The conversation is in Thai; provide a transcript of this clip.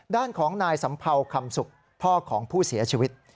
ด้านของนายสัมเภาคำสุขพ่อของผู้เสียชีวิต